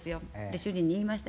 主人に言いました。